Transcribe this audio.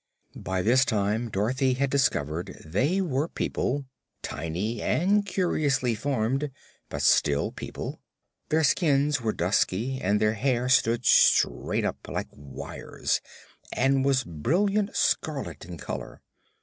By this time Dorothy had discovered they were people, tiny and curiously formed, but still people. Their skins were dusky and their hair stood straight up, like wires, and was brilliant scarlet in color.